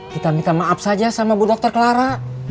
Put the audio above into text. kita minta maaf saja sama bu dr clara